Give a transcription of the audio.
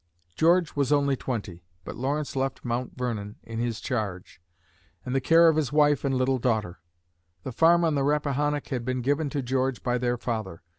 George was only twenty, but Lawrence left Mount Vernon in his charge, and the care of his wife and little daughter. The farm on the Rappahannock had been given to George by their father.